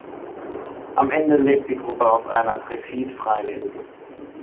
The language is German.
Am Ende lebt die Gruppe auf einer Triffid-freien Insel.